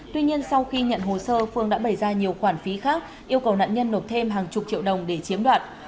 tuy nhiên sau khi nhận hồ sơ phương đã bày ra nhiều khoản phí khác yêu cầu nạn nhân nộp thêm hàng chục triệu đồng để chiếm đoạt